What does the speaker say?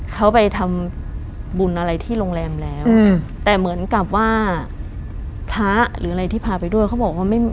เขาไปทำบุญอะไรที่โรงแรมแล้วแต่เหมือนกับว่าพระหรืออะไรที่พาไปด้วยเขาบอกว่าไม่